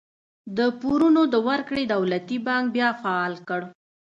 د پورونو د ورکړې دولتي بانک بیا فعال کړ.